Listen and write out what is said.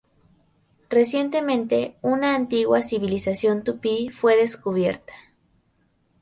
Recientemente, una antigua civilización tupí fue descubierta.